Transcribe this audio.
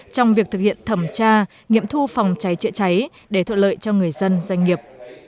trong việc thực hiện thẩm tra nghiệm thu phòng cháy chữa cháy để thuận lợi cho người dân doanh nghiệp